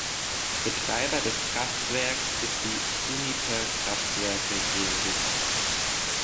Betreiber des Kraftwerks ist die Uniper Kraftwerke GmbH.